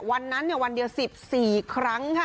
วันนั้นวันเดียว๑๔ครั้งค่ะ